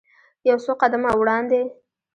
یو څو قدمه وړاندې.